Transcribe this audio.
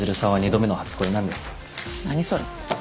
何それ。